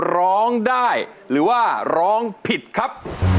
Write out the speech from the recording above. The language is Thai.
ร้องได้หรือว่าร้องผิดครับ